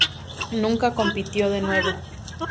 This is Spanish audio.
Nunca compitió de nuevo.